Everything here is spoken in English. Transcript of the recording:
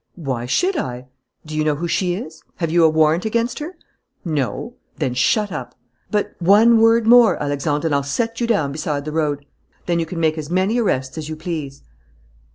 "Why should I?" "Do you know who she is? Have you a warrant against her?" "No." "Then shut up." "But " "One word more, Alexandre, and I'll set you down beside the road. Then you can make as many arrests as you please."